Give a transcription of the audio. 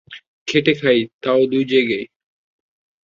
খেটে খাই, তাও দুই জায়গায়।